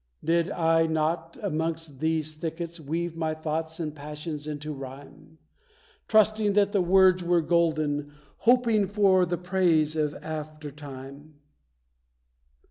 Did I not, amongst these thickets, weave my thoughts and passions into rhyme, Trusting that the words were golden, hoping for the praise of after time?